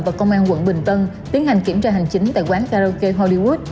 và công an quận bình tân tiến hành kiểm tra hành chính tại quán karaoke hollywood